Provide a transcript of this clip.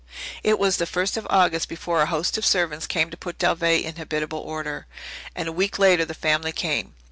It was the first of August before a host of servants came to put Dalveigh in habitable order, and a week later the family came.